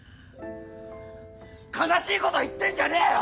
悲しいこと言ってんじゃねえよ！